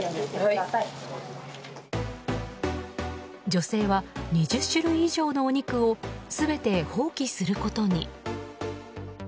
女性は２０種類以上のお肉を全て放棄することに。